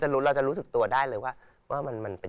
เราจะรู้สึกตัวได้เลยว่ามันเป็นอย่างงั้น